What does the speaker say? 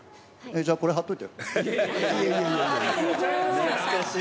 じゃあ、これ、貼っといて。